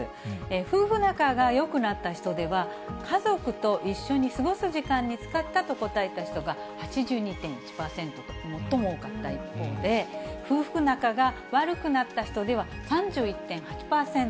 夫婦仲がよくなった人では、家族と一緒に過ごす時間に使ったと答えた人が８２．１％と最も多かった一方で、夫婦仲が悪くなった人では、３１．８％。